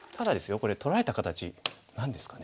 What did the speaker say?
これ取られた形何ですかね